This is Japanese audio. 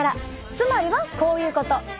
つまりはこういうこと！